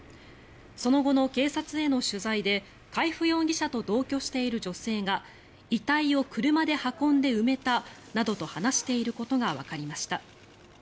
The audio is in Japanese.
その後の警察への取材で海部容疑者と同居している女性が遺体を車で運んで埋めたなどと話していることがわかりました。